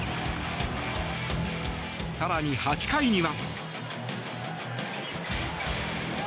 更に、８回には。